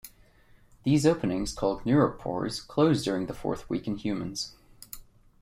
These openings, called neuropores, close during the fourth week in humans.